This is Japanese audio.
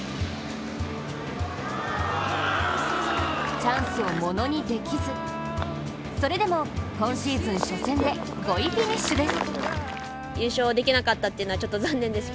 チャンスを物にできずそれでも今シーズン初戦で、５位フィニッシュです。